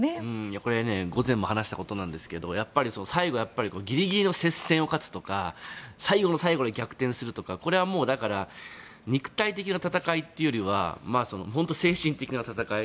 これは午前も話したことなんですが最後にギリギリの接戦を勝つとか最後の最後で逆転するとかこれは、だから肉体的な戦いというよりは精神的な戦い。